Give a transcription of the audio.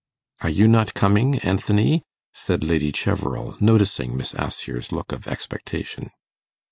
'Are you not coming, Anthony?' said Lady Cheverel, noticing Miss Assher's look of expectation.